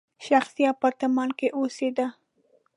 شخصي اپارتمان کې اوسېده.